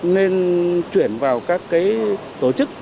nên chuyển vào các cái tổ chức